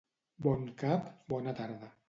Bon cap, bona tanda.